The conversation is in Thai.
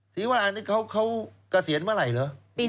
ศรีวรานี่เขาเกษียณเมื่อไหร่เหรอ